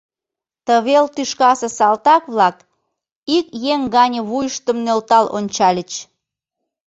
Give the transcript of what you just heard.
Тывел тӱшкасе салтак-влак ик еҥ гане вуйыштым нӧлтал ончальыч.